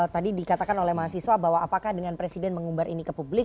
tadi dikatakan oleh mahasiswa bahwa apakah dengan presiden mengumbar ini ke publik